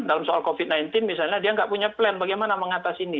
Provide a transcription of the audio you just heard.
dalam soal covid sembilan belas misalnya dia nggak punya plan bagaimana mengatas ini